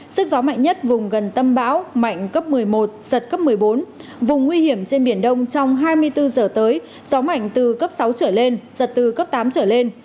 sức gió mạnh nhất vùng gần tâm bão mạnh cấp một mươi một giật cấp một mươi bốn vùng nguy hiểm trên biển đông trong hai mươi bốn giờ tới gió mạnh từ cấp sáu trở lên giật từ cấp tám trở lên